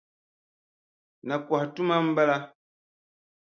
Nakɔha tuma m-bala.